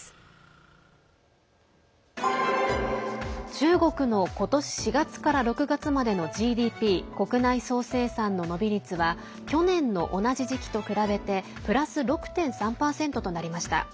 中国の今年４月から６月までのＧＤＰ＝国内総生産の伸び率は去年の同じ時期と比べてプラス６．３％となりました。